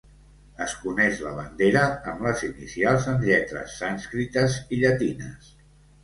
Es coneix la bandera amb les inicials en lletres sànscrites i llatines.